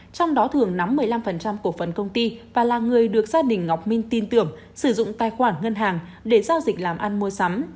trong đó thường nắm một mươi năm cổ phấn công ty và là người được gia đình ngọc minh tin tưởng sử dụng tài khoản ngân hàng để giao dịch làm ăn mua sắm